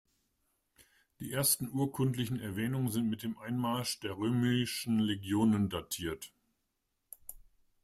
Die ersten Urkundlichen Erwähnungen sind mit dem Einmarsch der römischen Legionen datiert.